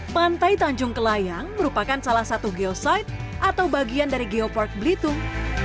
pantai tanjung kelayang merupakan salah satu geosite atau bagian dari geopark belitung